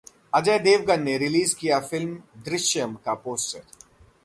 अजय देवगन ने रिलीज किया फिल्म 'दृश्यम' का पोस्टर